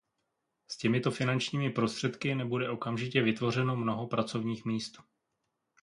S těmito finančními prostředky nebude okamžitě vytvořeno mnoho pracovních míst.